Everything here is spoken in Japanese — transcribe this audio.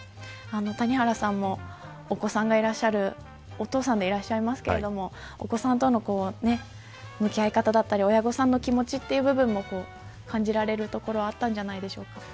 谷原さんもお子さんがいらっしゃるお父さんでいらっしゃいますがお子さんとの向き合い方だったり親御さんの気持ちの部分も感じられるところがあったんじゃないでしょうか。